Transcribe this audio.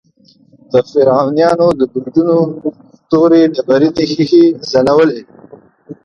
د فرعونیانو د برجونو تورې ډبرینې ښیښې ځلولې.